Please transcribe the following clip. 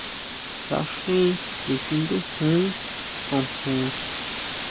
Taʼxín síkiʼindujun xojon.